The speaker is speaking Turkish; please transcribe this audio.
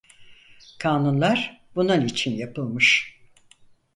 Kanunlar, bunun için yapılmış.